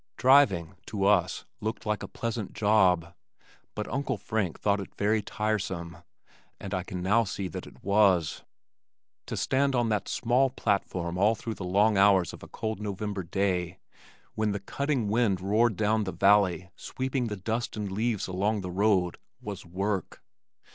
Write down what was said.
Driving, to us, looked like a pleasant job, but Uncle Frank thought it very tiresome, and I can now see that it was. To stand on that small platform all through the long hours of a cold November day, when the cutting wind roared down the valley sweeping the dust and leaves along the road, was work.